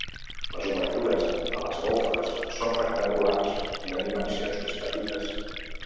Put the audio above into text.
Les obertures de les golfes són rectangulars i de dimensions més petites.